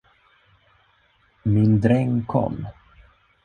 Min dräng kom.